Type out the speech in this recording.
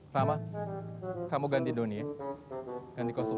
lama kamu ganti doni ya ganti kostum